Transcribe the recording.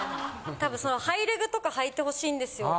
多分ハイレグとかはいて欲しいんですよ。